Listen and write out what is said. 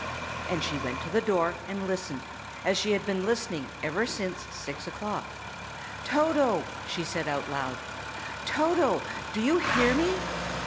And she went to the door and listened, as she had been listening ever since six o'clock. "Toto!" she said aloud. "Toto, do you hear me?"